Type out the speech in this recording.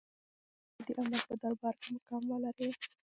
آیا غواړې چې د الله په دربار کې مقام ولرې؟